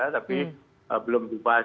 tapi belum dibahas